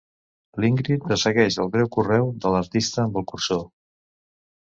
L'Ingrid ressegueix el breu correu de l'artista amb el cursor.